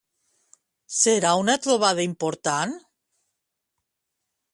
Serà una trobada important?